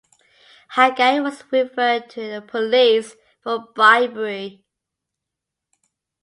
Hagai was referred to the Police for bribery.